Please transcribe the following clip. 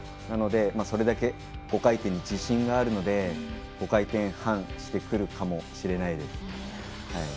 なのでそれだけ５回転に自信があるので５回転半してくるかもしれないです。